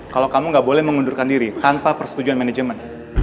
kalau kamu gak boleh mengundurkan diri tanpa persetujuan manajemen